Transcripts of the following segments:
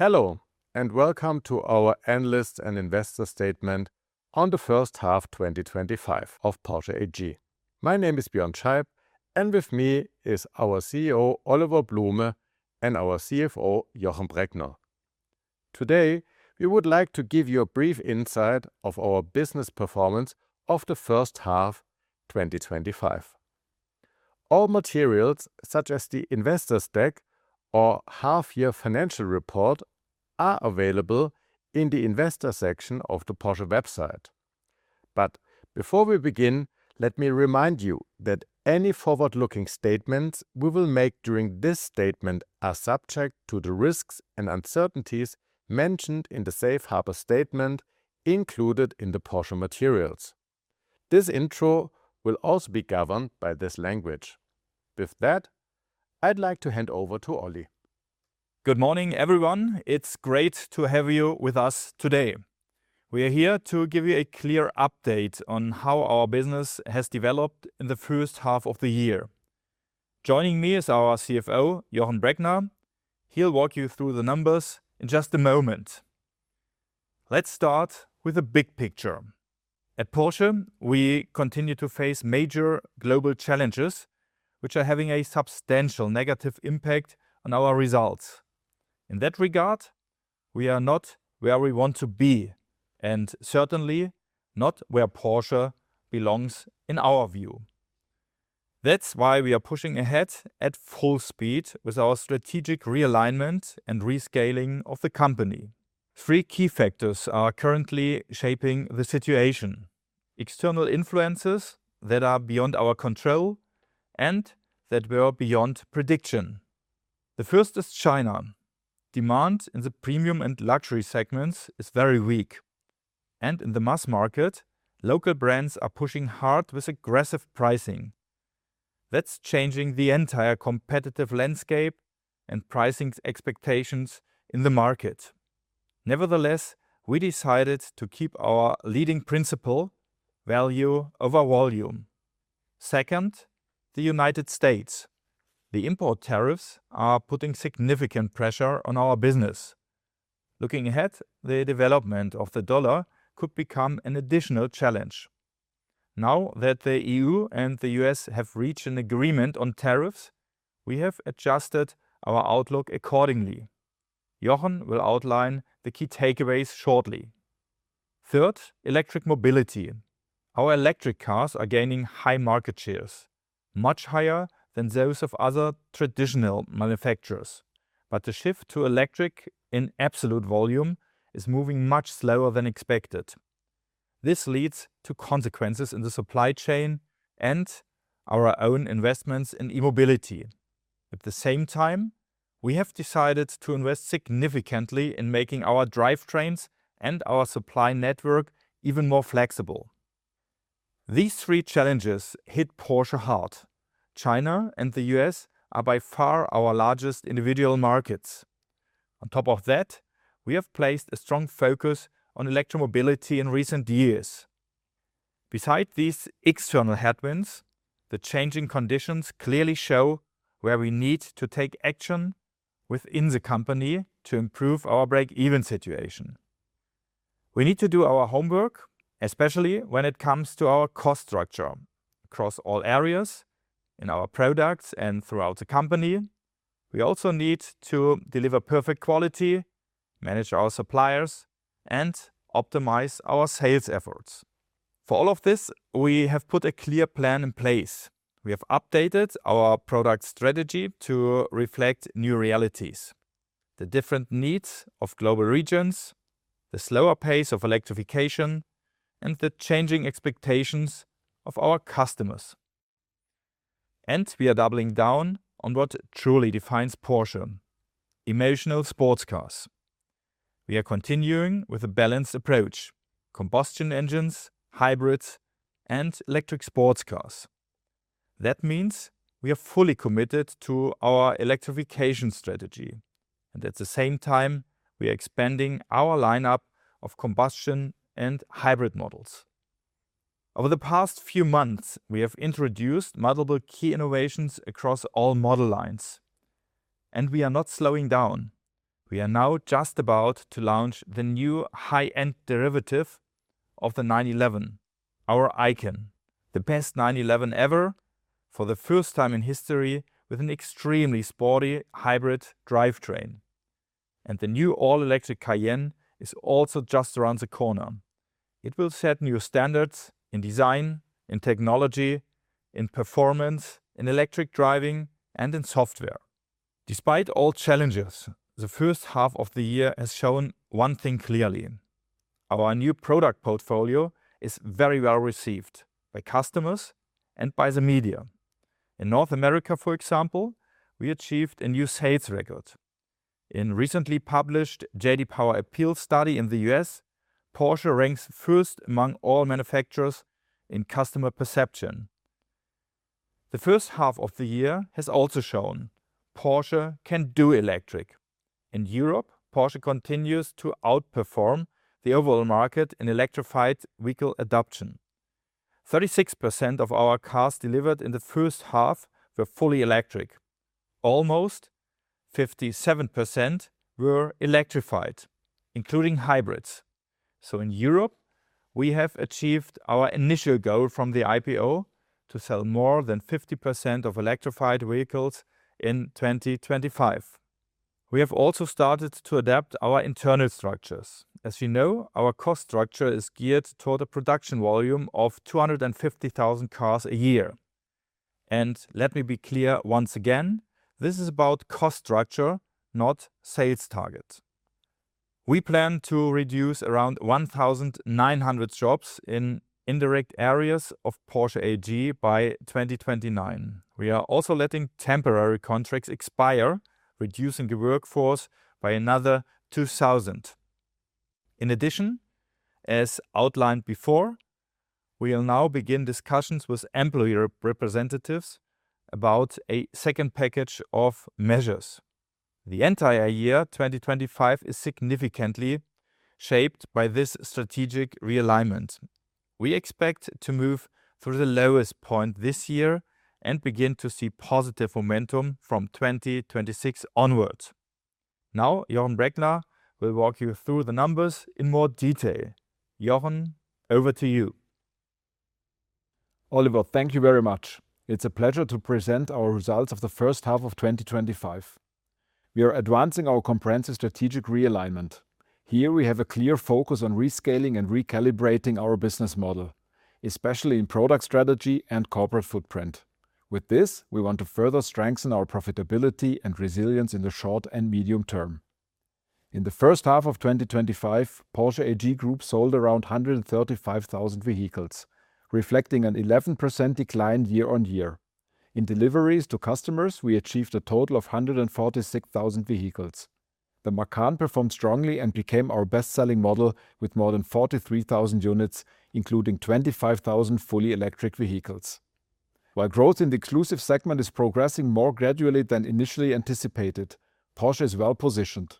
Hello and welcome to our analyst and investor statement on the first half 2025 of Porsche AG. My name is Björn Scheib and with me is our CEO Oliver Blume and our CFO Jochen Breckner. Today we would like to give you a brief insight of our business performance of the first half 2025. All materials such as the Investor's Deck or half year financial report are available in the investor section of the Porsche website. Before we begin, let me remind you that any forward looking statements we will make during this statement are subject to the risks and uncertainties mentioned in the Safe harbor statement included in the Porsche materials. This intro will also be governed by this language. With that I'd like to hand over to Oli. Good morning everyone. It's great to have you with us today. We are here to give you a clear update on how our business has developed in the first half of the year. Joining me is our CFO Jochen Breckner. He'll walk you through the numbers in just a moment. Let's start with the big picture. At Porsche, we continue to face major global challenges which are having a substantial negative impact on our results. In that regard, we are not where we want to be and certainly not where Porsche belongs in our view. That's why we are pushing ahead at full speed with our strategic realignment and rescaling of the company. Three key factors are currently shaping the situation. External influences that are beyond our control and that were beyond prediction. The first is China. Demand in the premium and luxury segments is very weak. In the mass market, local brands are pushing hard with aggressive pricing. That's changing the entire competitive landscape and pricing expectations in the market. Nevertheless, we decided to keep our leading principle, value over volume. Second, the United States. The import tariffs are putting significant pressure on our business. Looking ahead, the development of the dollar could become an additional challenge. Now that the EU and the U.S. have reached an agreement on tariffs, we have adjusted our outlook accordingly. Jochen will outline the key takeaways shortly. Third, electric mobility. Our electric cars are gaining high market shares, much higher than those of other traditional manufacturers. The shift to electric in absolute volume is moving much slower than expected. This leads to consequences in the supply chain and our own investments in E mobility. At the same time, we have decided to invest significantly in making our drivetrains and our supply network even more flexible. These three challenges hit Porsche hard. China and the U.S. are by far our largest individual markets. On top of that, we have placed a strong focus on electromobility in recent years. Beside these external headwinds, the changing conditions clearly show where we need to take action within the company to improve our break even situation. We need to do our homework, especially when it comes to our cost structure across all areas in our products and throughout the company. We also need to deliver perfect quality, manage our suppliers and optimize our sales efforts. For all of this, we have put a clear plan in place. We have updated our product strategy to reflect new realities, the different needs of global regions, the slower pace of electrification, and the changing expectations of our customers. We are doubling down on what truly defines Porsche: emotional sports cars. We are continuing with a balanced approach, combustion engines, hybrids, and electric sports cars. That means we are fully committed to our electrification strategy. At the same time, we are expanding our lineup of combustion and hybrid models. Over the past few months, we have introduced multiple key innovations across all model lines, and we are not slowing down. We are now just about to launch the new high-end derivative of the 911, our icon, the best 911 ever, for the first time in history, with an extremely sporty hybrid drivetrain. The new all-electric Cayenne is also just around the corner. It will set new standards in design, in technology, in performance, in electric driving, and in software. Despite all challenges, the first half of the year has shown one thing clearly. Our new product portfolio is very well received by customers and by the media. In North America, for example, we achieved a new sales record in a recently published J.D. Power appeal study. In the U.S., Porsche ranks first among all manufacturers in customer perception. The first half of the year has also shown Porsche can do electric. In Europe, Porsche continues to outperform the overall market in electrified vehicle adoption. 36% of our cars delivered in the first half were fully electric. Almost 57% were electrified, including hybrids. In Europe, we have achieved our initial goal from the IPO to sell more than 50% of electrified vehicles in 2025. We have also started to adapt our internal structures. As you know, our cost structure is geared toward a production volume of 250,000 cars a year. Let me be clear once again, this is about cost structure, not sales target. We plan to reduce around 1,900 jobs in indirect areas of Porsche AG by 2029. We are also letting temporary contracts expire, reducing the workforce by another 2,000. In addition, as outlined before, we will now begin discussions with employee representatives about a second package of measures. The entire year 2025 is significantly shaped by this strategic realignment. We expect to move through the lowest point this year and begin to see positive momentum from 2026 onwards. Now Jochen Breckner will walk you through the numbers in more detail. Jochen, over to you. Oliver, thank you very much. It's a pleasure to present our results of the first half of 2025. We are advancing our comprehensive strategic realignment here. We have a clear focus on rescaling and recalibrating our business model, especially in product strategy and corporate footprint. With this, we want to further strengthen our profitability and resilience in the short and medium term. In the first half of 2025, Porsche AG Group sold around 135,000 vehicles, reflecting an 11% decline year-on-year. In deliveries to customers, we achieved a total of 146,000 vehicles. The Macan performed strongly and became our best selling model with more than 43,000 units, including 25,000 fully electric vehicles. While growth in the exclusive segment is progressing more gradually than initially anticipated, Porsche is well positioned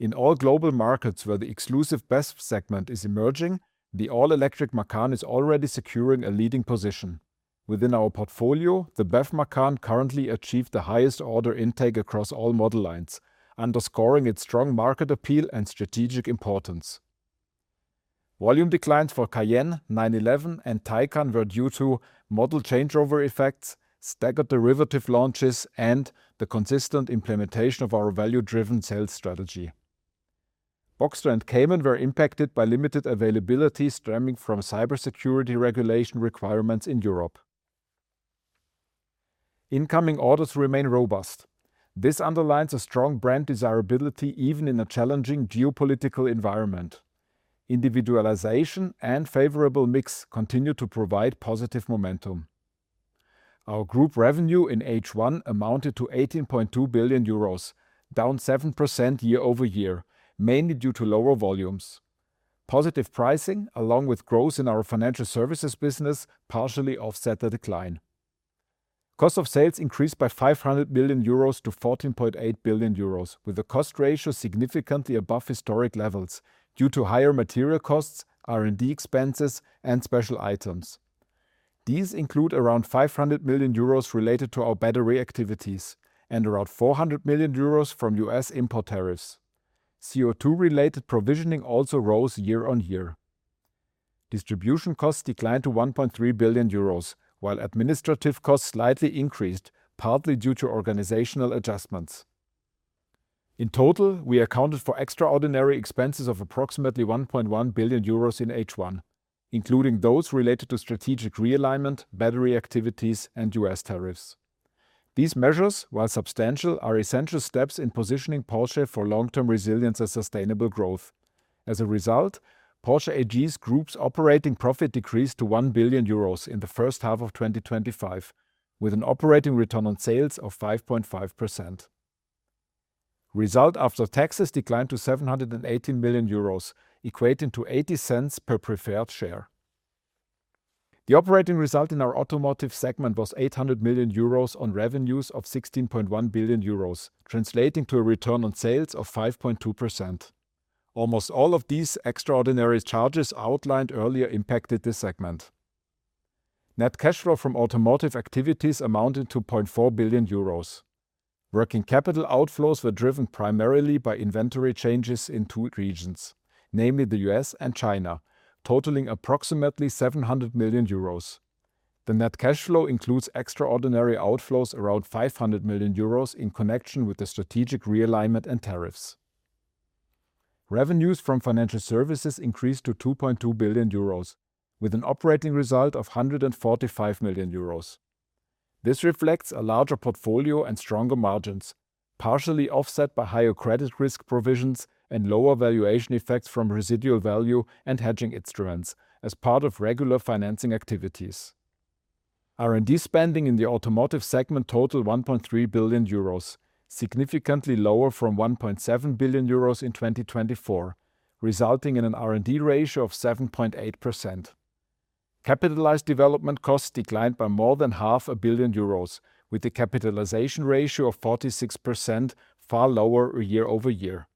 in all global markets where the exclusive best segment is emerging. The all electric Macan is already securing a leading position within our portfolio. The BEV Macan currently achieved the highest order intake across all model lines, underscoring its strong market appeal and strategic importance. Volume declines for Cayenne, 911, and Taycan were due to model changeover effects, staggered derivative launches, and the consistent implementation of our value driven sales strategy. Boxster and Cayman were impacted by limited availability stemming from cybersecurity regulation requirements in Europe. Incoming orders remain robust. This underlines a strong brand desirability even in a challenging geopolitical environment. Individualization and favorable mix continue to provide positive momentum. Our Group revenue in H1 amounted to 18.2 billion euros, down 7% year-over-year, mainly due to lower volumes. Positive pricing along with growth in our financial services business partially offset the decline. Cost of sales increased by 500 million euros to 14.8 billion euros, with the cost ratio significantly above historic levels due to higher material costs, R&D expenses, and special items. These include around 500 million euros related to our battery activities and around 400 million euros from U.S. import tariffs. CO2 related provisioning also rose year-on-year. Distribution costs declined to 1.3 billion euros, while administrative costs slightly increased, partly due to organizational adjustments. In total, we accounted for extraordinary expenses of approximately 1.1 billion euros in H1, including those related to strategic realignment, battery activities, and U.S. tariffs. These measures, while substantial, are essential steps in positioning Porsche for long term resilience and sustainable growth. As a result, Porsche AG's group's operating profit decreased to 1 billion euros in the first half of 2025 with an operating return on sales of 5.5%. Result after taxes declined to 718 million euros, equating to $0.8 per preferred share. The operating result in our Automotive segment was 800 million euros on revenues of 16.1 billion euros, translating to a return on sales of 5.2%. Almost all of these extraordinary charges outlined earlier impacted this segment. Net cash flow from automotive activities amounted to 0.4 billion euros. Working capital outflows were driven primarily by inventory changes in two regions, namely the U.S. and China, totaling approximately 700 million euros. The net cash flow includes extraordinary outflows around 500 million euros. In connection with the strategic realignment and tariffs, revenues from financial services increased to 2.2 billion euros with an operating result of 145 million euros. This reflects a larger portfolio and stronger margins, partially offset by higher credit risk provisions and lower valuation effects from residual value and hedging instruments as part of regular financing activities. R&D spending in the Automotive segment totaled 1.3 billion euros, significantly lower from 1.7 billion euros in 2024, resulting in an R&D ratio of 7.8%. Capitalized development costs declined by more than 500 million euros, which with a capitalization ratio of 46%, far lower year-over-year,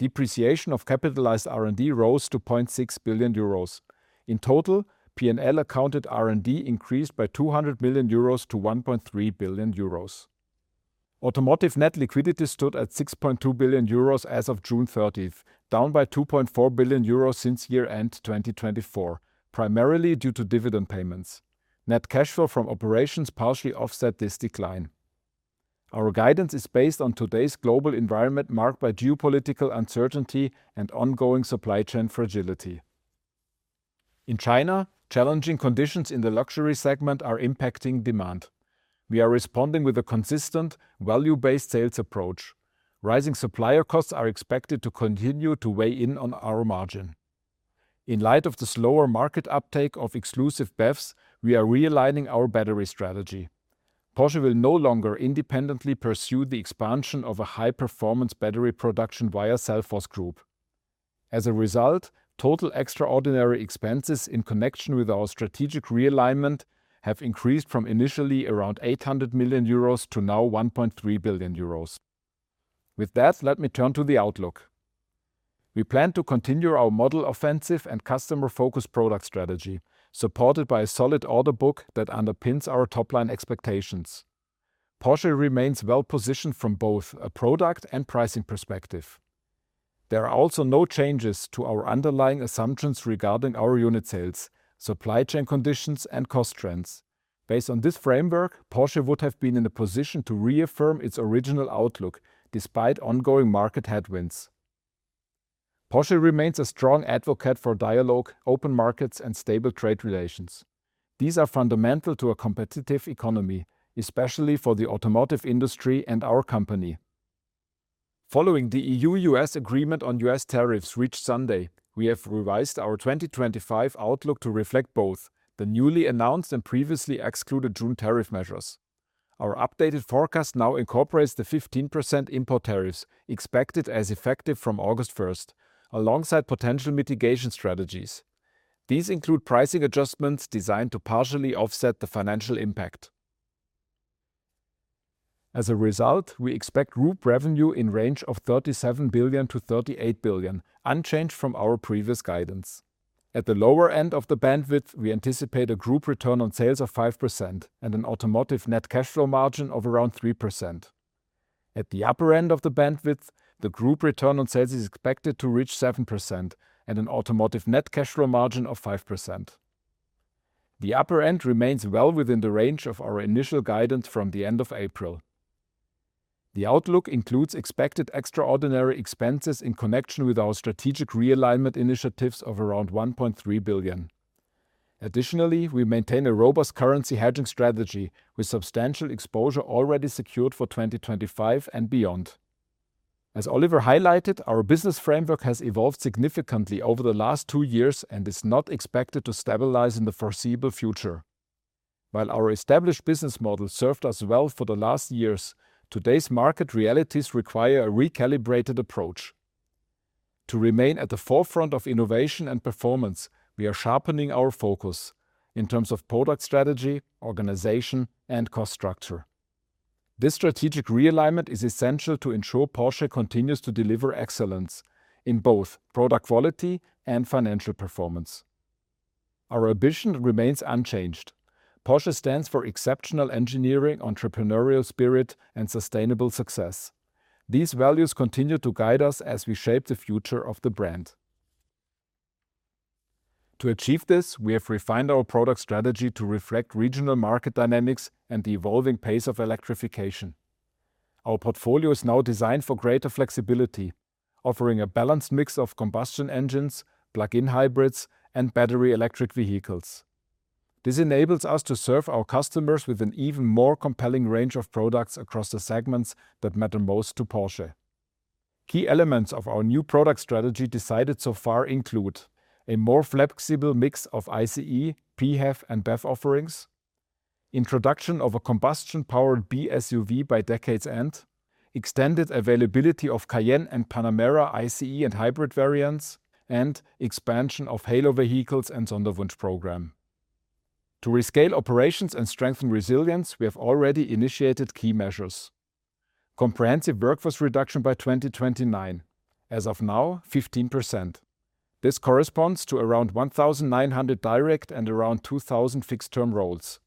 depreciation of capitalized R&D rose to 0.6 billion euros. In total, P&L accounted R&D increased by 200 million euros to 1.3 billion euros. Automotive net liquidity stood at 6.2 billion euros as of June 30, down by 2.4 billion euros since year end 2024, primarily due to dividend payments. Net cash flow from operations partially offset this decline. Our guidance is based on today's global environment marked by geopolitical uncertainty and ongoing supply chain fragility. In China, challenging conditions in the luxury segment are impacting demand. We are responding with a consistent value based sales approach. Rising supplier costs are expected to continue to weigh in on our margin. In light of the slower market uptake of exclusive BEVs, we are realigning our battery strategy. Porsche will no longer independently pursue the expansion of a high-performance battery production via Cellforce Group. As a result, total extraordinary expenses in connection with our strategic realignment have increased from initially around 800 million euros to now 1.3 billion euros. With that, let me turn to the outlook. We plan to continue our model offensive and customer-focused product strategy supported by a solid order book that underpins our top line expectations. Porsche remains well positioned from both a product and pricing perspective. There are also no changes to our underlying assumptions regarding our unit sales, supply chain conditions, and cost trends. Based on this framework, Porsche would have been in a position to reaffirm its original outlook. Despite ongoing market headwinds, Porsche remains a strong advocate for dialogue, open markets, and stable trade relations. These are fundamental to a competitive economy, especially for the automotive industry and our company. Following the EU-U.S. agreement on U.S. tariffs reached Sunday, we have revised our 2025 outlook to reflect both the newly announced and previously excluded June tariff measures. Our updated forecast now incorporates the 15% import tariffs expected as effective from August 1st alongside potential mitigation strategies. These include pricing adjustments designed to partially offset the financial impact. As a result, we expect group revenue in the range of 37 billion-38 billion, unchanged from our previous guidance. At the lower end of the bandwidth, we anticipate a group return on sales of 5% and an automotive net cash flow margin of around 3%. At the upper end of the bandwidth, the group return on sales is expected to reach 7% and an automotive net cash flow margin of 5%. The upper end remains well within the range of our initial guidance. From the end of April, the outlook includes expected extraordinary expenses in connection with our strategic realignment initiatives of around 1.3 billion. Additionally, we maintain a robust currency hedging strategy with substantial exposure already secured for 2025 and beyond. As Oliver highlighted, our business framework has evolved significantly over the last two years and is not expected to stabilize in the foreseeable future. While our established business model served us well for the last years, today's market realities require a recalibrated approach to remain at the forefront of innovation and performance. We are sharpening our focus in terms of product strategy, organization, and cost structure. This strategic realignment is essential to ensure Porsche continues to deliver excellence in both product quality and financial performance. Our ambition remains unchanged. Porsche stands for exceptional engineering, entrepreneurial spirit, and sustainable success. These values continue to guide us as we shape the future of the brand. To achieve this, we have refined our product strategy to reflect regional market dynamics and the evolving pace of electrification. Our portfolio is now designed for greater flexibility, offering a balanced mix of combustion engines, plug-in hybrids, and battery electric vehicles. This enables us to serve our customers with an even more compelling range of products across the segments that matter most to Porsche. Key elements of our new product strategy decided so far: a more flexible mix of ICE, PHEV, and BEV offerings, introduction of a combustion-powered B SUV by decade's end, extended availability of Cayenne and Panamera ICE and Hybrid variants, and expansion of halo vehicles and Sonderwunsch program to rescale operations and strengthen resilience. We have already initiated key measures: comprehensive workforce reduction by 2029. As of now, 15%. This corresponds to around 1,900 direct and around 2,000 fixed-term roles.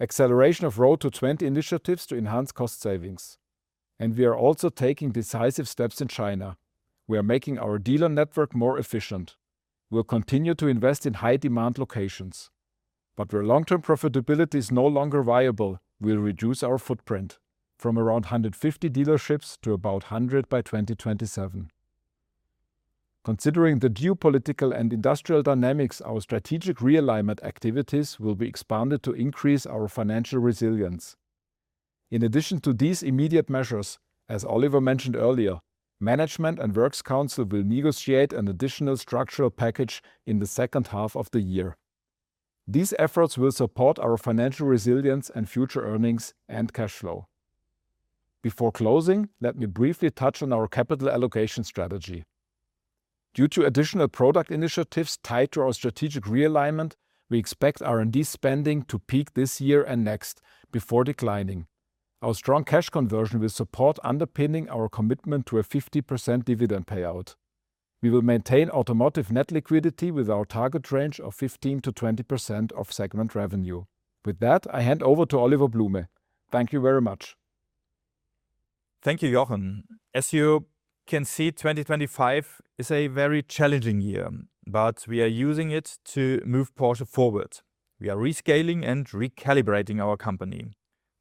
Acceleration of Road to 20 initiatives to enhance cost savings, and we are also taking decisive steps in China. We are making our dealer network more efficient. We'll continue to invest in high-demand locations, but where long-term profitability is no longer viable, will reduce our footprint from around 150 dealerships to about 100 by 2027. Considering the geopolitical and industrial dynamics, our strategic realignment activities will be expanded to increase our financial resilience. In addition to these immediate measures, as Oliver mentioned earlier, Management and Works Council will negotiate an additional structural package in the second half of the year. These efforts will support our financial resilience and future earnings and cash flow. Before closing, let me briefly touch on our capital allocation strategy. Due to additional product initiatives tied to our strategic realignment, we expect R&D spending to peak this year and next before declining. Our strong cash conversion will support, underpinning our commitment to a 50% dividend payout. We will maintain automotive net liquidity with our target range of 15%-20% of segment revenue. With that I hand over to Oliver Blume. Thank you very much. Thank you, Jochen. As you can see, 2025 is a very challenging year. We are using it to move Porsche forward. We are rescaling and recalibrating our company.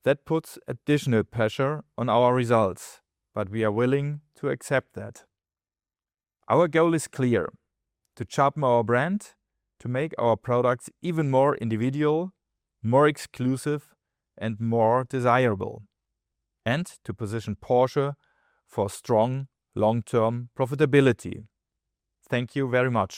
That puts additional pressure on our results. We are willing to accept that. Our goal is to sharpen our brand, to make our products even more individual, more exclusive, and more desirable, and to position Porsche for strong long term profitability. Thank you very much.